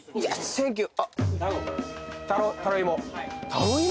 サンキュー